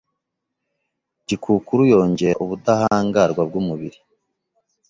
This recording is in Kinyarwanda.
Gikukuru yongera ubudahangarwa bw’umubiri,